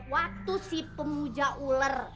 waktu si pemuja ular